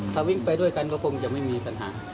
ถ้าวิ่งไปด้วยกันก็คงจะไม่มีปัญหา